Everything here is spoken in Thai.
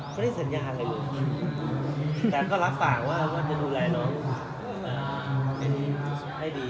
ไม่ได้สัญญาอะไรเลยแต่ก็รับปากว่าจะดูแลน้องให้ดี